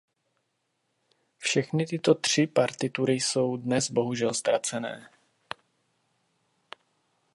Všechny tyto tři partitury jsou dnes bohužel ztracené.